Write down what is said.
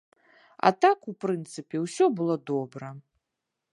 А так, у прынцыпе, усё было добра.